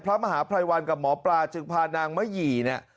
พระมหาภัยวันกับหมอปลาจึงพานางมะหยี่เนี่ย